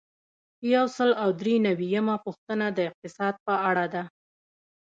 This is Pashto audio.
یو سل او درې نوي یمه پوښتنه د اقتصاد په اړه ده.